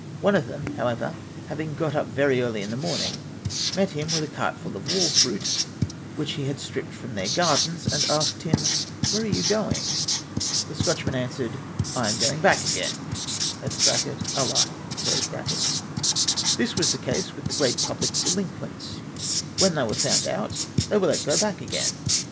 One of them, however, having got up very early in the morning, met him with a cartful of wall fruit, which he had stripped from their gardens, and asked him, " Where are you going ?" The Scotchman answered, "I am going back again " (a laugh). This was the case Avith the great public delinquents : when they were found out, they were let go back again.